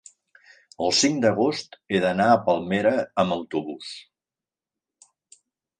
El cinc d'agost he d'anar a Palmera amb autobús.